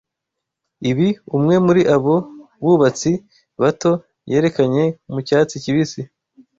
Ibi, umwe muri abo bubatsi bato yerekanye Mu cyatsi kibisi,